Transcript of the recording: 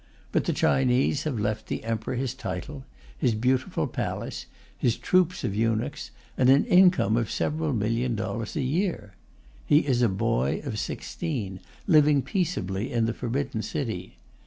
But the Chinese have left the Emperor his title, his beautiful palace, his troops of eunuchs, and an income of several million dollars a year. He is a boy of sixteen, living peaceably in the Forbidden City.